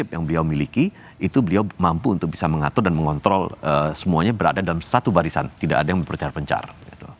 yang beliau miliki itu beliau mampu untuk bisa mengatur dan mengontrol semuanya berada dalam satu barisan tidak ada yang berpencar pencar